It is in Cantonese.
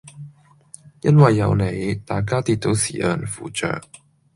因為有你，大家跌倒時有人扶著